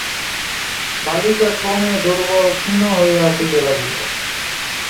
বালিকা ক্রমে দুর্বল ক্ষীণ হইয়া আসিতে লাগিল।